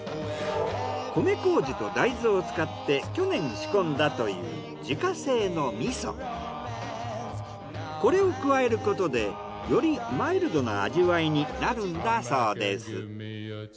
米麹と大豆を使って去年仕込んだというこれを加えることでよりマイルドな味わいになるんだそうです。